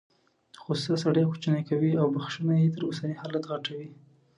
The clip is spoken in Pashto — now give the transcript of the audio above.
غوسه سړی کوچنی کوي او بخښنه یې تر اوسني حالت غټوي.